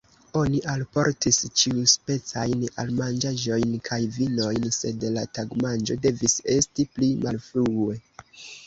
Oni alportis ĉiuspecajn almanĝaĵojn kaj vinojn, sed la tagmanĝo devis esti pli malfrue.